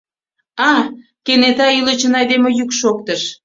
А? — кенета ӱлычын айдеме йӱк шоктыш.